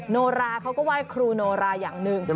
โนราเขาก็ไหว้ครูโนราอย่างหนึ่ง